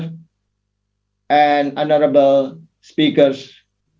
dan pertama pertama spesial